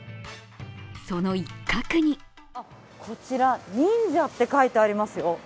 その一角にこちら、「忍者」って書いてありますよ。